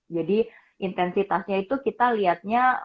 jadi intensitasnya itu kita lihatnya